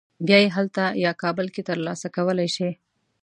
بیا یې هلته یا کابل کې تر لاسه کولی شې.